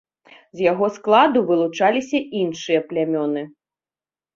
З яго складу вылучаліся іншыя плямёны.